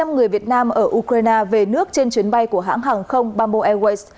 ba trăm linh người việt nam ở ukraine về nước trên chuyến bay của hãng hàng không bamboo airways